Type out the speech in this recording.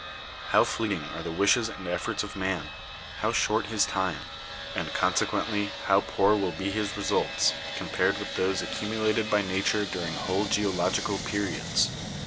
How fleeting are the wishes and efforts of man ! how short his time ! and consequently how poor will be his results, compared with those accumulated by Nature during whole geological periods